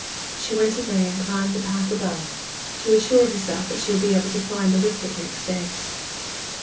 She went away, and climbed the path above, to assure herself that she would be able to find the wicket next day.